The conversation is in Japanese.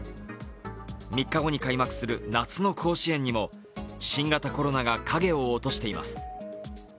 ３日後に開幕する夏の甲子園にも新型コロナが影を落としています。